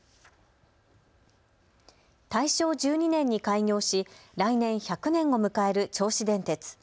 大正１２年に開業し来年１００年を迎える銚子電鉄。